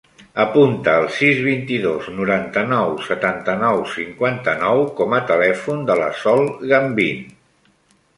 Apunta el sis, vint-i-dos, noranta-nou, setanta-nou, cinquanta-nou com a telèfon de la Sol Gambin.